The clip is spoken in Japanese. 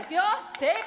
正解。